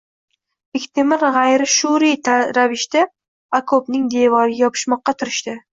Bektemir g`ayri shuuriy ravishda okopning devoriga yopishmoqqa tirishdi